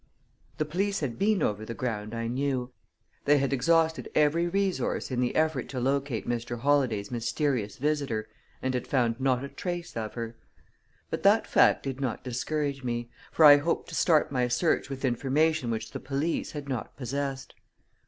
The police had been over the ground, I knew; they had exhausted every resource in the effort to locate Mr. Holladay's mysterious visitor, and had found not a trace of her. But that fact did not discourage me; for I hoped to start my search with information which the police had not possessed.